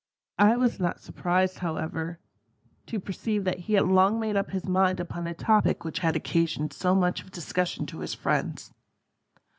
I was not surprised, however, to perceive that he had long made up his mind upon a topic which had occasioned so much of discussion to his friends.